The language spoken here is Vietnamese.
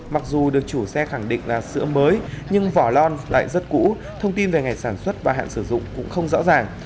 mặc dù được chủ xe khẳng định là sữa mới nhưng vỏ lon lại rất cũ thông tin về ngày sản xuất và hạn sử dụng cũng không rõ ràng